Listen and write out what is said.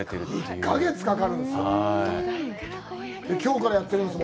１か月かかるんですよ。